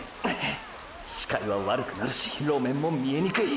視界は悪くなるし路面も見えにくい！！